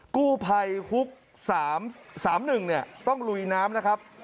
กู้ภัยฮุก๓๑ต้องลุยน้ำนะครับ